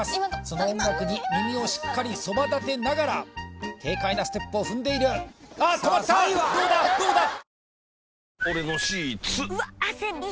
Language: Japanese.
その音楽に耳をしっかりそばだてながら軽快なステップを踏んでいるあ止まったどうだどうだ！？